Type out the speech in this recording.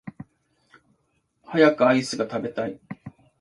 早くアイスが食べたい